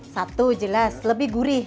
satu jelas lebih gurih